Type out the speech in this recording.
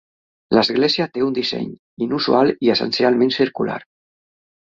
L'església té un disseny inusual i essencialment circular.